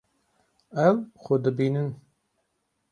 Ew xwe dibînin.